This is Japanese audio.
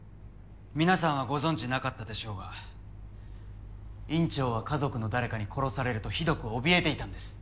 皆さんはご存じなかったでしょうが院長は家族の誰かに殺されるとひどく怯えていたんです。